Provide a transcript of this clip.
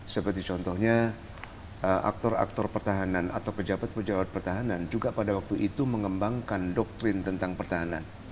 seperti contohnya aktor aktor pertahanan atau pejabat pejabat pertahanan juga pada waktu itu mengembangkan doktrin tentang pertahanan